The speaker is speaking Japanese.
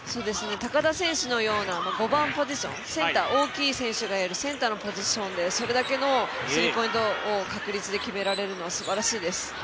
高田選手のような５番ポジション大きい選手がやるセンターのポジションでそれだけのスリーポイントを確率で決められるのはすばらしいです。